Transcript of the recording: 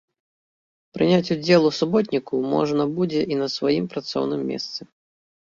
Прыняць удзел у суботніку можна будзе і на сваім працоўным месцы.